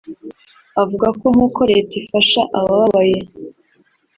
avuga ko nk’uko Leta ifasha abababaye